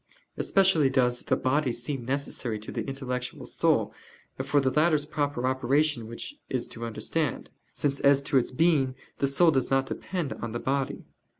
Especially does the body seem necessary to the intellectual soul, for the latter's proper operation which is to understand: since as to its being the soul does not depend on the body.